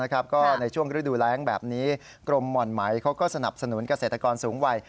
ก็ในช่วงฤดูแรงแบบนี้กรมหม่อนไหมเขาก็สนับสนุนเกษตรกรสูงวัย